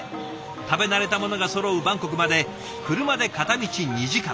食べ慣れたものがそろうバンコクまで車で片道２時間。